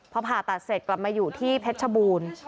พอผ่าตัดเสร็จกลับมาอยู่ที่เพชรชบูรณ์